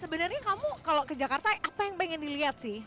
sebenarnya kamu kalau ke jakarta apa yang pengen dilihat sih